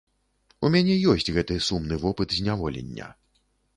У мяне ёсць гэты сумны вопыт зняволення.